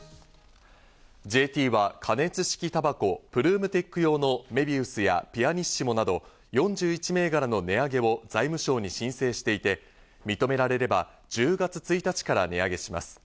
ＪＴは加熱式たばこプルーム・テック用のメビウスやピアニッシモなど４１銘柄の値上げを財務省に申請していて、認められれば１０月１日から値上げします。